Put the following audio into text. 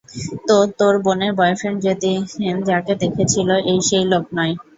তো তোর বোনের বয়ফ্রেন্ড সেদিন যাকে দেখেছিলো এ সেই লোক নয়।